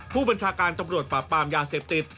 ผู้บัญชาการตำรวจปราบปรามยาเสพติด